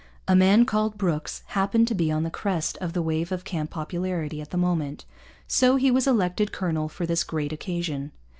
A man called Brooks happened to be on the crest of the wave of camp popularity at the moment; so he was elected colonel for this great occasion.